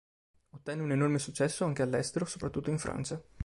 Ottenne un enorme successo anche all'estero, soprattutto in Francia.